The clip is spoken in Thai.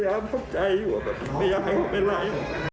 ผมไม่อยากพบใจหรอกไม่อยากให้ผมเป็นไร